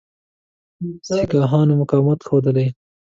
سیکهانو مقاومت ښودلی.